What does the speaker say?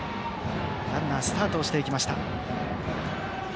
ランナースタートをしていきました。